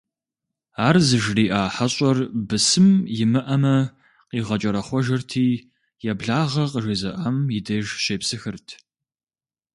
Ар зыжриӀа хьэщӀэр, бысым имыӀэмэ, къигъэкӀэрэхъуэжырти, еблагъэ къыжезыӀам и деж щепсыхырт.